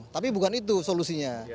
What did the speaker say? tapi bukan itu solusinya